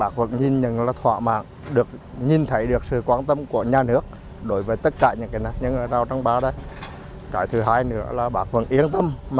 cái thứ hai nữa là bác vẫn yên tâm